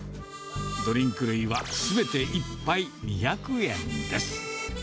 ドリンク類はすべて１杯２００円です。